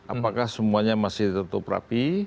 apakah semuanya masih tertutup rapi